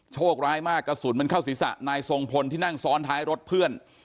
โชคร้ายมากกระสุนมันเข้าศีรษะนายทรงพลที่นั่งซ้อนท้ายรถเพื่อน